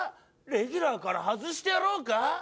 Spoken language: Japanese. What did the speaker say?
レギュラーから外してやろうか？